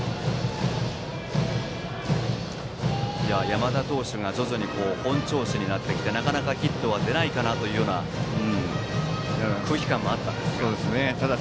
山田投手が徐々に本調子になってきてなかなかヒットはでないかなという空気感もありましたが。